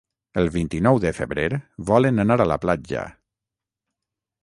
El vint-i-nou de febrer volen anar a la platja.